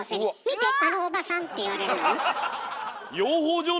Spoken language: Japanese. あのおばさん！」って言われるのよ。